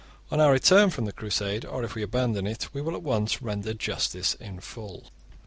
On our return from the Crusade, or if we abandon it, we will at once render justice in full.